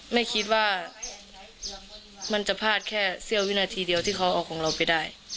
ไม่คิดว่ามันจะพลาดแค่เสี้ยววินาทีเดียวที่เขาเอาของเราไปได้